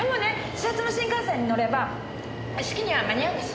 始発の新幹線に乗れば式には間に合うんだし。